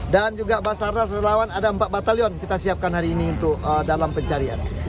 dan juga basarnas dan sukarelawan ada empat batalion kita siapkan hari ini untuk dalam pencarian